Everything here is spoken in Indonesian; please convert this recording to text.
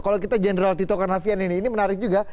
kalau kita general tito karnavian ini ini menarik juga